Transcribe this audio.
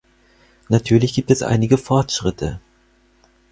Natürlich gibt es einige Fortschritte.